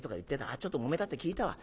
あっちょっともめたって聞いたわ」。